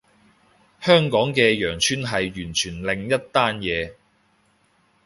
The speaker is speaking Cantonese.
香港嘅羊村係完全另一單嘢